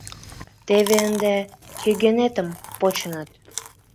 Теве ынде кӧгӧнетым почыныт.